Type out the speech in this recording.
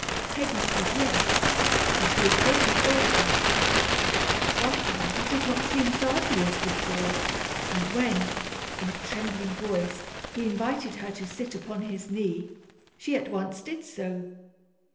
Peggy said yes, and he appeared before her. Somehow he did not seem so ugly as before, and when, in a trembling voice, he invited her to sit upon his knee, she at once did so.